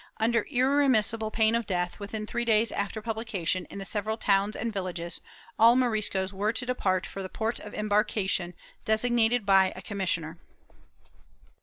Under irremis sible pain of death, within three days after publication in the sev eral towns and villages, all Moriscos were to depart for the port of embarkation designated by a commissioner.